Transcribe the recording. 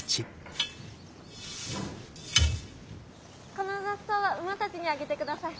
この雑草は馬たちにあげてください。